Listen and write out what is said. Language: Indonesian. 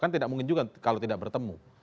kan tidak mungkin juga kalau tidak bertemu